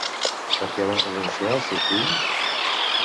Per què van renunciar al seu fill?